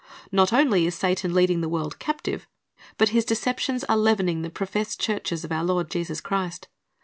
Not only is Satan leading the world captive, but his deceptions are leavening the professed churches of our Lord Jesus Christ.